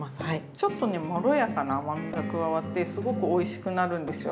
ちょっとねまろやかな甘みが加わってすごくおいしくなるんですよ。